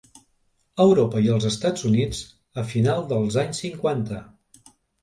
Europa i als Estats Units a finals dels anys cinquanta.